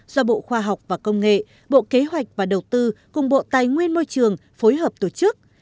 do bộ khoa học và công nghệ bộ kế hoạch và đầu tư cùng bộ tài nguyên môi trường phối hợp tổ chức